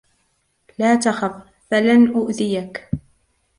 لا تخف. فلن أؤذيك.